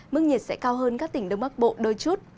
mức nhiệt sẽ cao hơn các tỉnh đông bắc bộ đôi chút